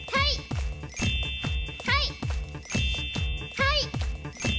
はい！